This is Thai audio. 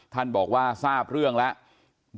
ท่านบอกว่าทราบเรื่องแล้ว